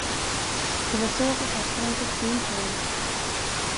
Det var så författaren fick syn på henne.